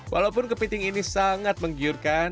walaupun kepiting ini sangat menggiurkan